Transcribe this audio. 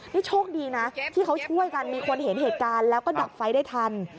นี่โชคดีนะที่เขาช่วยกันมีคนเห็นเหตุการณ์แล้วก็ดับไฟได้ทัน